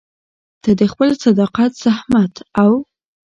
ته د خپل صداقت، زحمت او